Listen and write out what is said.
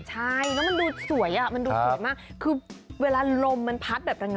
ใช่แล้วมันดูสวยอ่ะมันดูสวยมากคือเวลาลมมันพัดแบบแรง